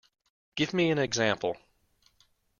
Give me an example